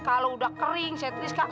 kalau udah kering saya tulis ke lantai